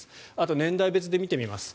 年代別で見てみます。